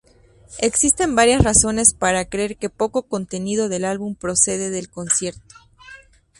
Existe varias razones para creer que poco contenido del álbum procede del concierto.